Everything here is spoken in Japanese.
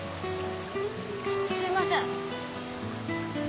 すみません。